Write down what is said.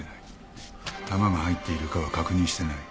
弾が入っているかは確認してない。